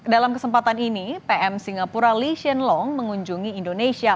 dalam kesempatan ini oured pm singapura lee hsien loong mengunjungi indonesia